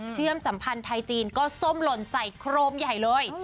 สัมพันธ์ไทยจีนก็ส้มหล่นใส่โครมใหญ่เลย